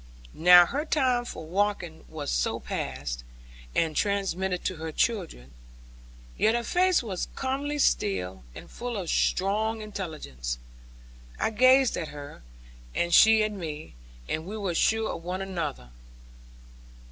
Now her time for walking so was past, and transmitted to her children. Yet her face was comely still, and full of strong intelligence. I gazed at her, and she at me; and we were sure of one another.